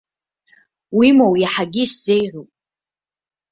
Уимоу, иаҳагьы исзеиӷьуп.